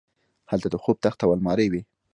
هلته د خوب تخت او المارۍ وې